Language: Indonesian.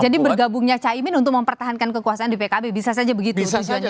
jadi bergabungnya cak imin untuk mempertahankan kekuasaan di pkb bisa saja begitu bisa saja